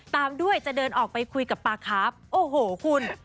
ตามด้วยจะเดินออกไปคุยกับปลาคาร์ฟโอ้โหคุณ